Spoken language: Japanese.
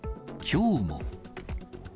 きょうも。